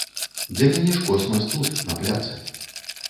Для мяне ж космас тут, на пляцы.